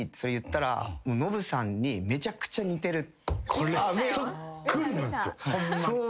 これそっくりなんですよホンマに。